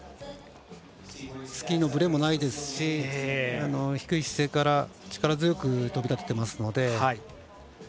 スキーのぶれもないですし低い姿勢から、力強く飛びたててますので。